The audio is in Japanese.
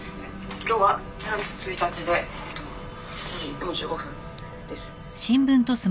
今日は２月１日でえっと７時４５分です。